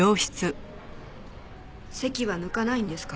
籍は抜かないんですか？